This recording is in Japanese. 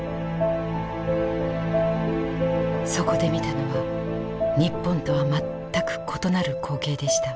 そこで見たのは日本とは全く異なる光景でした。